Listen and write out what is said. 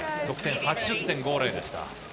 得点８０．５０でした。